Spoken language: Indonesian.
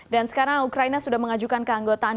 dan sekarang ukraina sudah mengajukan keanggotaan